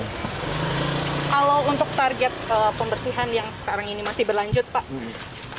kalau untuk target pembersihan yang sekarang ini masih berlanjut pak